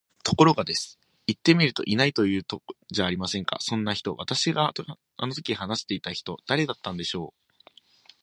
ところが、です。行ってみると居ないと言うじゃありませんか、そんな人。私があの時話していた人、誰だったんでしょう？